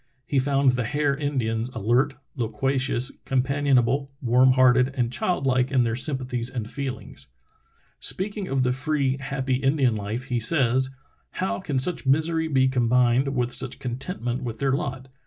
He found the Hare Indians alert, loquacious, companion able, warm hearted, and childlike in their sympathies and feelings. Speaking of the free, happy Indian life he says: "How can such misery be combined with such contentment with their lot?